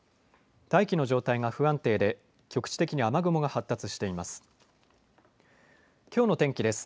大気の状態が不安定で局地的に雨雲が発達しています。